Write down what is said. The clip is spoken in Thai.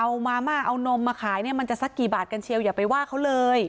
มาม่าเอานมมาขายเนี่ยมันจะสักกี่บาทกันเชียวอย่าไปว่าเขาเลย